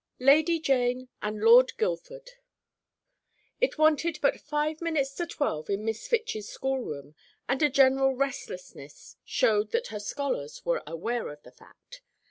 LADY JANE AND LORD GUILDFORD. [Illustration: "THE FALCON'S NEST."] It wanted but five minutes to twelve in Miss Fitch's schoolroom, and a general restlessness showed that her scholars were aware of the fact.